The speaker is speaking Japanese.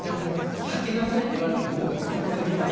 はけなさいと言われても僕はここで見ます。